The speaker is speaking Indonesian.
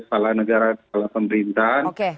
kepala negara kepala pemerintahan